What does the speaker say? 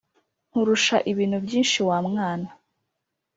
Nkurusha ibintu ibyinshi wa mwana